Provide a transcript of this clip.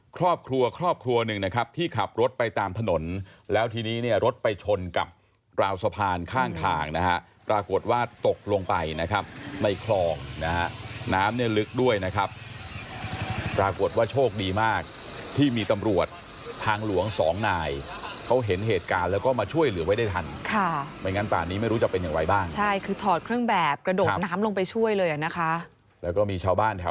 ครอบครัวครอบครัวหนึ่งนะครับที่ขับรถไปตามถนนแล้วทีนี้เนี่ยรถไปชนกับราวสะพานข้างทางนะฮะปรากฏว่าตกลงไปนะครับในคลองนะฮะน้ำเนี่ยลึกด้วยนะครับปรากฏว่าโชคดีมากที่มีตำรวจทางหลวงสองนายเขาเห็นเหตุการณ์แล้วก็มาช่วยเหลือไว้ได้ทันค่ะไม่งั้นป่านนี้ไม่รู้จะเป็นอย่างไรบ้างใช่คือถอดเครื่องแบบกระโดดน้ำลงไปช่วยเลยอ่ะนะคะแล้วก็มีชาวบ้านแถว